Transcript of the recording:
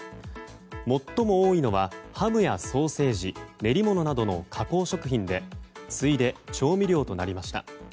最も多いのはハムやソーセージ練り物などの加工食品で次いで調味料となりました。